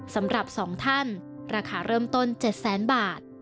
สำหรับ๒ท่านราคาเริ่มต้น๗แสนบาท